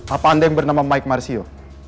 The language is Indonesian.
apa anda yang bernama mike marsio